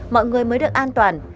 mọi người mới được an toàn